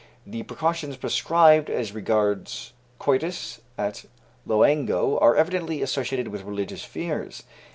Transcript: The precautions prescribed as regards coitus at Loango are evidently associated with religious fears.